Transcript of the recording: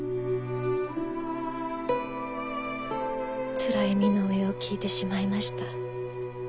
つらい身の上を聞いてしまいました。